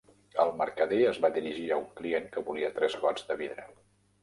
El mercader es va dirigir a un client que volia tres gots de vidre.